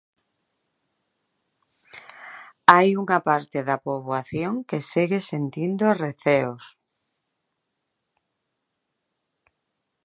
Hai unha parte da poboación que segue sentindo receos.